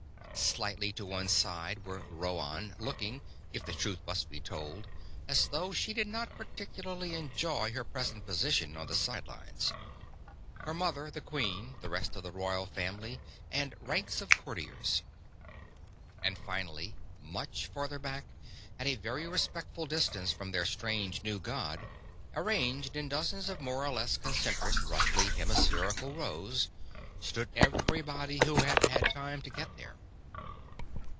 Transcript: Slightly to one side were Rhoann looking, if the truth must be told, as though she did not particularly enjoy her present position on the side lines her mother the queen, the rest of the royal family, and ranks of courtiers. And finally, much farther back, at a very respectful distance from their strange new god, arranged in dozens of more or less concentric, roughly hemispherical rows, stood everybody who had had time to get there.